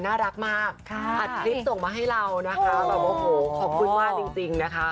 น่ารักมากอัดคลิปส่งมาให้เรานะคะแบบโอ้โหขอบคุณมากจริงนะคะ